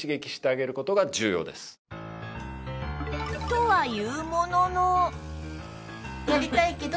とはいうものの